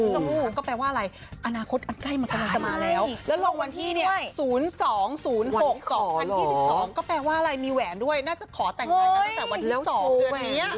แล้วลงวันที่เนี่ย๐๒๐๖๒๐๒๒ก็แปลว่าอะไรมีแหวนด้วยน่าจะขอแต่งใจกันตั้งแต่วันที่๒เดือนนี้